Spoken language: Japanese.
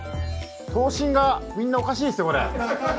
頭身がみんなおかしいですよこれ。